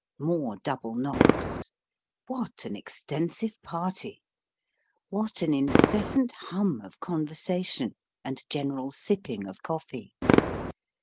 More double knocks! what an extensive party! what an incessant hum of conversation and general sipping of coffee